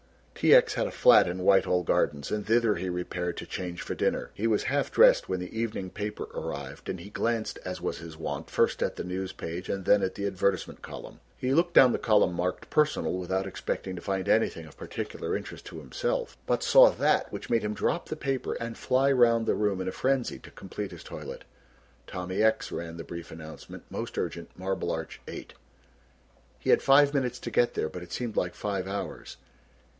T. X. had a flat in Whitehall Gardens and thither he repaired to change for dinner. He was half dressed when the evening paper arrived and he glanced as was his wont first at the news' page and then at the advertisement column. He looked down the column marked "Personal" without expecting to find anything of particular interest to himself, but saw that which made him drop the paper and fly round the room in a frenzy to complete his toilet. "Tommy X.," ran the brief announcement, "most urgent, Marble Arch 8." He had five minutes to get there but it seemed like five hours.